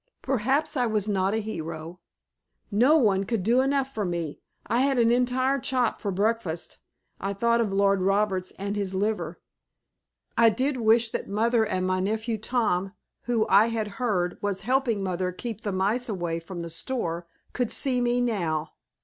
Perhaps I was not a hero! No one could do enough for me. I had an entire chop for breakfast (I thought of Lord Roberts and his liver). I did wish that mother and my nephew Tom, who, I had heard, was helping mother keep the mice away from the store, could see me now.